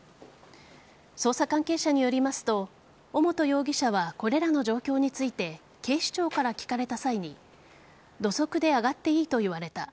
捜査関係者によりますと尾本容疑者はこれらの状況について警視庁から聞かれた際に土足で上がっていいと言われた。